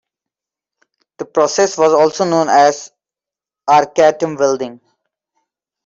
The process was also known as arc-atom welding.